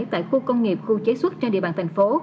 tại khu công nghiệp khu chế xuất trên địa bàn tp